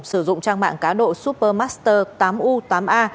sử dụng trang mạng cá độ supermaster tám u tám a